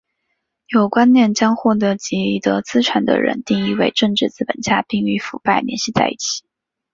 有观念将获得既得资产的人定义为政治资本家并与腐败联系在一起。